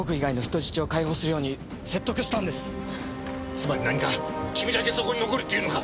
つまり何か君だけそこに残るって言うのか！？